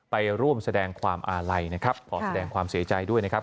ไปร่วมแสดงความอาลัยนะครับขอแสดงความเสียใจด้วยนะครับ